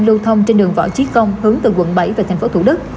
lưu thông trên đường võ trí công hướng từ quận bảy về thành phố thủ đức